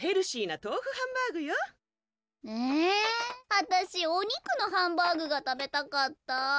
えあたしお肉のハンバーグが食べたかった。